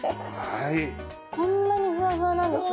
こんなにふわふわなんですね